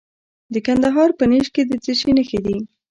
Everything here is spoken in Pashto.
د کندهار په نیش کې د څه شي نښې دي؟